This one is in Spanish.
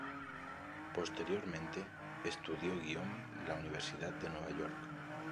Posteriormente, estudió guión la Universidad de Nueva York.